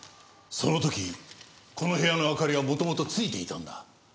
その時この部屋の明かりは元々ついていたんだ。